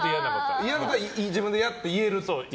嫌なことは自分で嫌って言えると。